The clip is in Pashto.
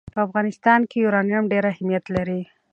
په افغانستان کې یورانیم ډېر اهمیت لري.